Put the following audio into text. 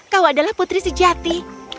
kau adalah putri sejati